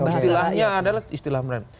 istilahnya adalah istilah merayu